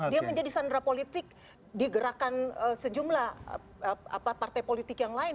dia menjadi sandra politik di gerakan sejumlah partai politik yang lain